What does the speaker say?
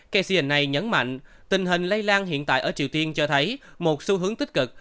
knca nhấn mạnh tình hình lây lan hiện tại ở triều tiên cho thấy một xu hướng tích cực